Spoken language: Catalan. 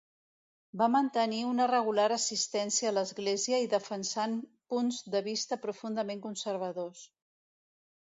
Va mantenir una regular assistència a l'església i defensant punts de vista profundament conservadors.